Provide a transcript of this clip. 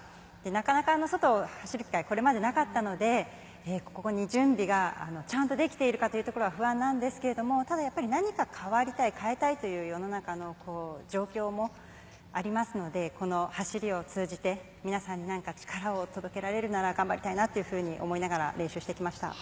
なかなか外を走る機会はこれまでなかったので、準備がちゃんとできているか不安なんですけれども、何か変わりたい変えたいという世の中の状況もありますので、走りを通じて皆さんに何か力を届けられるなら頑張りたいと思いながら練習してきました。